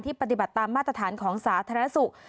ปฏิบัติตามมาตรฐานของสาธารณสุข